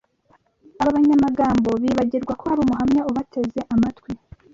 Aba banyamagambo bibagirwa ko hari umuhamya ubateze amatwi